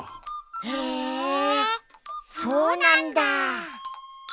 へえそうなんだ！